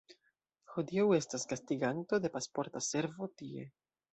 Hodiaŭ estas gastiganto de Pasporta Servo tie.